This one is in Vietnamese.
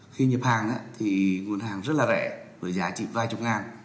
khi nhập hàng nguồn hàng rất rẻ với giá chỉ vài chục ngàn